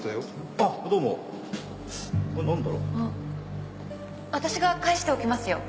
あっ私が返しておきますよ。